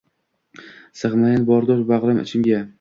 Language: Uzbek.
Sig‘mayin bordur bag‘rim, ichimga…